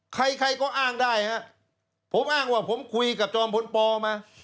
ใครใครก็อ้างได้ฮะผมอ้างว่าผมคุยกับจอมพลปอมา